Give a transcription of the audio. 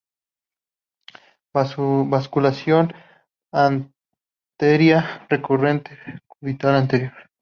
Vascularización: arteria recurrente cubital anterior